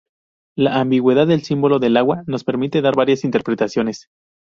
La ambigüedad del símbolo del agua nos permite dar varias interpretaciones.